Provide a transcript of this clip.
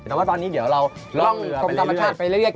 แต่ว่าตอนนี้เดี๋ยวเราลองเรือไปเรื่อยก่อน